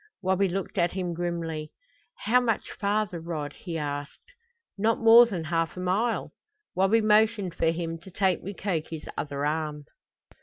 Wabi looked at him grimly. "How much farther, Rod?" he asked. "Not more than half a mile." Wabi motioned for him to take Mukoki's other arm.